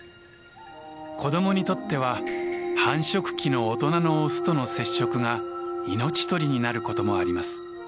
子どもにとっては繁殖期の大人のオスとの接触が命取りになることもあります。